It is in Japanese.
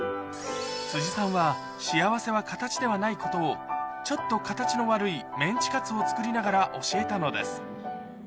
辻さんは幸せは形ではないことを、ちょっと形の悪いメンチカツを作りながら教えたのです。